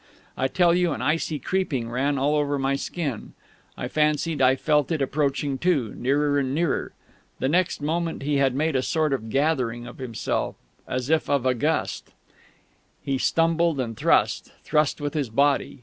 I tell you, an icy creeping ran all over my skin. I fancied I felt it approaching too, nearer and nearer.... The next moment he had made a sort of gathering of himself, as if against a gust. He stumbled and thrust thrust with his body.